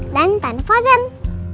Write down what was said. dan tanpa zonk